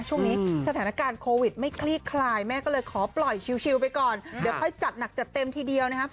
ช่วงนี้สถานการณ์โควิดไม่คลี่คลายแม่ก็เลยขอปล่อยชิลไปก่อนเดี๋ยวค่อยจัดหนักจัดเต็มทีเดียวนะครับ